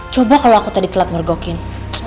coba kalau aku tadi telat mergokin